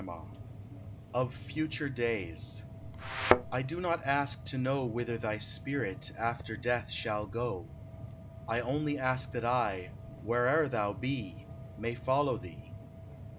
129 OF FUTURE DAYS T DO not ask to know Whither thy spirit after death shall go ; I only ask that I — where'er thou be — May follow thee.